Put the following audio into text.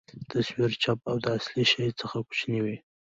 تصویر چپه او د اصلي شي څخه کوچنۍ وي.